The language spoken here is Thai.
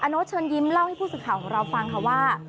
โน๊ตเชิญยิ้มเล่าให้ผู้สื่อข่าวของเราฟังค่ะว่า